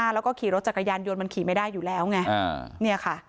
แล้วก็ขี่รถจักรยานยนต์มันขี่ไม่ได้อยู่แล้วไงเนี่ยค่ะ